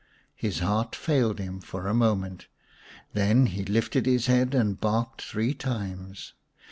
His heart failed him for a moment ; then he lifted his head and barked three times.